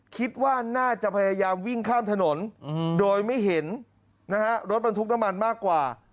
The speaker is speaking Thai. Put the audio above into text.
คิดว่าน่าจะพยายามวิ่งข้ามถนนโดยไม่เห็นนะฮะรถบรรทุกน้ำมันมากกว่า